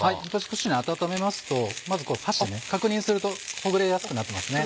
少し温めますとまず箸で確認するとほぐれやすくなってますね。